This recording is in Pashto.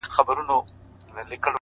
د سر قاتل پخلا کومه مصلحت کومه;